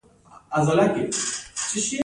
فرا رود سیند په کومه حوزه کې لویږي؟